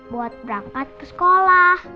buat berangkat ke sekolah